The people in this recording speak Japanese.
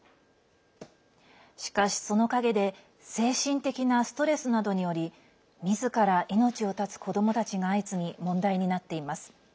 しかし、その陰で精神的なストレスなどによりみずから命を絶つ子どもたちが相次ぎ、問題になっています。